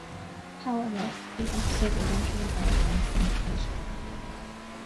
However, the episode eventually aired on syndication.